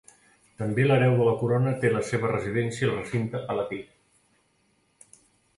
També l'hereu de la Corona té la seva residència al recinte palatí.